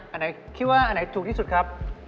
อันไหนคิดว่าอันไหนถูกที่สุดครับ